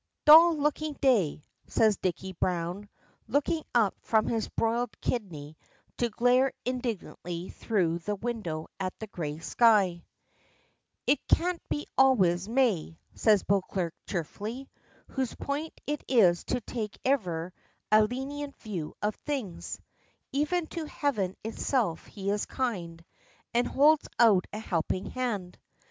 "Dull looking day," says Dicky Browne, looking up from his broiled kidney to glare indignantly through the window at the gray sky. "It can't be always May," says Beauclerk cheerfully, whose point it is to take ever a lenient view of things. Even to heaven itself he is kind, and holds out a helping hand.